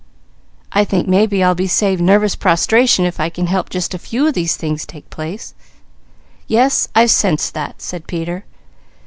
"I think maybe I'll be saved nervous prostration if I can help just a few of these things to take place." "Yes, I've sensed that," said Peter.